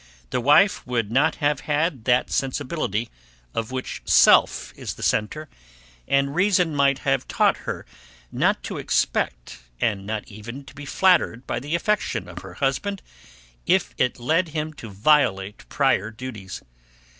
The wife would not have had that sensibility, of which self is the centre, and reason might have taught her not to expect, and not even to be flattered by the affection of her husband, if it led him to violate prior duties.